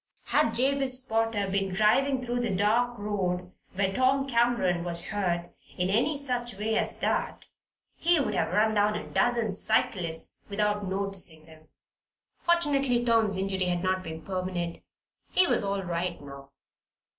Had Jabez Potter been driving through the dark road where Tom Cameron was hurt, in any such way as that, he would have run down a dozen cyclists without noticing them. Fortunately Tom's injury had not been permanent. He was all right now.